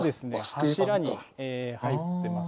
柱に入ってます